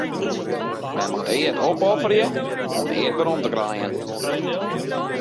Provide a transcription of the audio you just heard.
Men moat eat opofferje om eat werom te krijen.